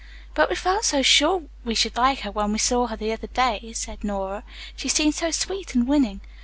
"But we felt sure we should like her when we saw her the other day," said Nora. "She seemed so sweet and winning."